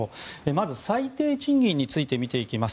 まず、最低賃金について見ていきます。